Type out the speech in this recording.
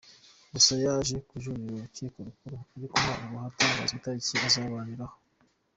Gusa yaje kujuririra Urukiko Rukuru ariko ntabwo haratangazwa itariki azaburaniraho.